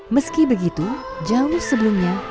meski begitu jauh sebelumnya